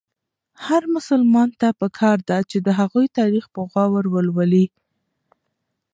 هر مسلمان ته پکار ده چې د هغوی تاریخ په غور ولولي.